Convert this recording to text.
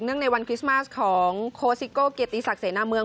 เนื่องในวันคริสต์มาสของโคสิโก้เกียรติศักดิ์เสน่ห์หน้าเมือง